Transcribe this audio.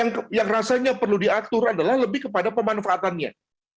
yang rasanya perlu diatur adalah lebih kepada pemanfaatannya